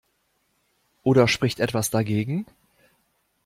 Oder spricht etwas dagegen?